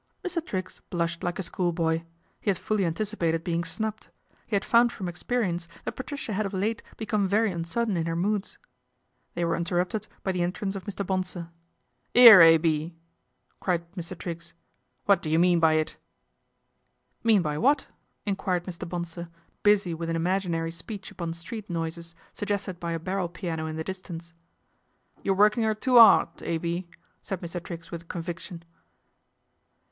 Mr. Triggs blushed like a schoolboy. He had fully anticipated being snubbed. He had found from experience that Patricia had of late become very uncertain in her moods. They were interrupted by the entrance of Mr. Bonsor. " 'Ere, A. B. !" cried Mr. Triggs " What dv you mean by it ?"" Mean by what ?" enquired Mi. Bonsor busy with an imaginary speech upon street noises, suggested by a barrel piano in the distance. PATRICIA'S INCONSTANCY 239 " You're working 'er too 'ard, A. B./' said . Triggs with conviction.